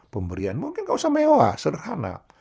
pemberian mungkin tidak usah mewah sederhana